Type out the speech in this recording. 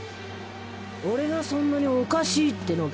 俺がそんなにおかしいってのか？